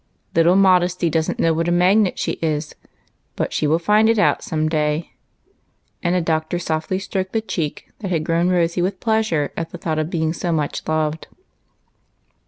" Little Modesty does n't know what a magnet she is ; but she will find it out some day," and the Doctor softly stroked the cheek that had grown rosy with WHICH? . 281 pleasure at the thought of being so much loved.